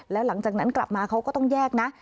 แล้วหลังจากนั้นกลับมาเขาก็ต้องแยกนะ